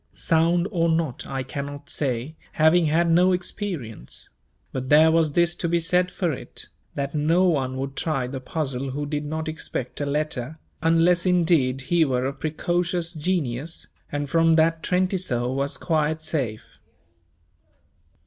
Sound or not, I cannot say, having had no experience; but there was this to be said for it, that no one would try the puzzle who did not expect a letter, unless indeed he were of precocious genius, and from that Trentisoe was quite safe.